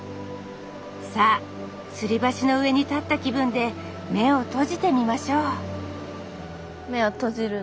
さあつり橋の上に立った気分で目を閉じてみましょう目を閉じる。